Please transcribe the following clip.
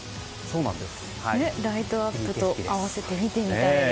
ライトアップと合わせて見てみたいです。